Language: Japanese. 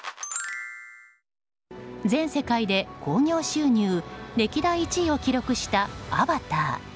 全世界で興行収入歴代１位を記録した「アバター」。